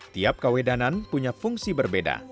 tiap kawedanan punya fungsi berbeda